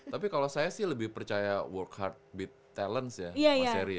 tapi kalau saya sih lebih percaya work hard be talent ya mas eri ya